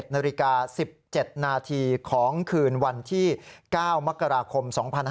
๑นาฬิกา๑๗นาทีของคืนวันที่๙มกราคม๒๕๖๒